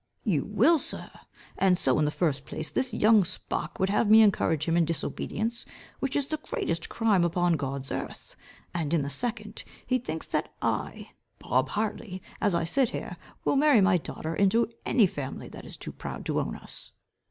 "You will sir! And so in the first place, this young spark would have me encourage him in disobedience, which is the greatest crime upon God's earth, and in the second, he thinks that I, Bob Hartley, as I sit here, will marry my daughter into any family that is too proud to own us."